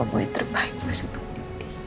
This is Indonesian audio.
aku cuma mau yang terbaik mas untuk nindi